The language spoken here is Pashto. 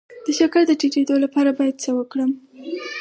د شکر د ټیټیدو لپاره باید څه وکړم؟